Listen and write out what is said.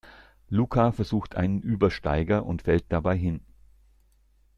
Luca versucht einen Übersteiger und fällt dabei hin.